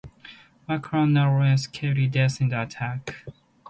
Makarios narrowly escaped death in the attack.